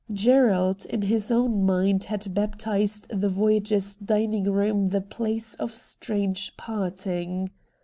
Gerald in his own mind had baptised the Voyagers' dining room the ' Place of Strange Parting.'